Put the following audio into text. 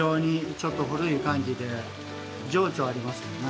ちょっと古い感じで情緒ありますよね。